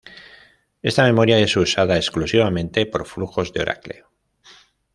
Esta memoria es usada exclusivamente por flujos de Oracle.